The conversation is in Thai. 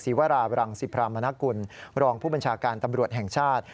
วราบรังสิพรามนกุลรองผู้บัญชาการตำรวจแห่งชาติ